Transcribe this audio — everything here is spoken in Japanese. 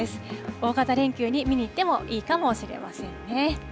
大型連休に見に行ってもいいかもしれませんね。